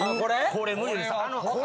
これ無理でした。